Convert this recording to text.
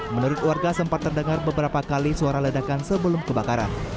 menurut warga sempat terdengar beberapa kali suara ledakan sebelum kebakaran